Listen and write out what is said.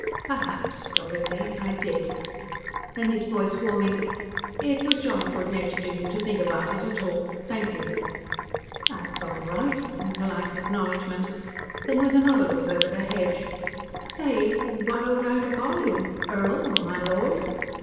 "Perhaps," stolidly, "I did." Then, his voice warming, "It was jolly good natured of you to think about it at all. Thank you." "That's all right," in polite acknowledgment. Then with another look over the hedge, "Say what ought I to call you? Earl, or my Lord?"